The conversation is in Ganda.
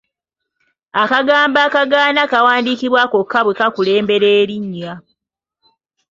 Akagambo akagaana kawandiikibwa kokka bwe kakulembera erinnya.